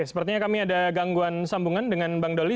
misalnya kami ada gangguan sambungan dengan bang dali